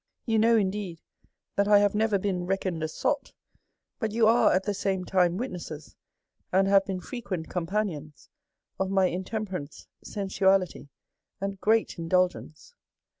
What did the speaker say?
30 A SERIOUS CALL TO A " You knov»^, indeed^ that I have never been reck* oned a sot^ but you are^, at the same time^ witnesses^ and have been frequent companions, of my intemper ance^ sensuality^ and great indulg ence.